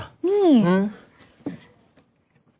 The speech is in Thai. นี่